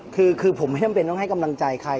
คือผมไม่จำเป็นต้องให้กำลังใจใคร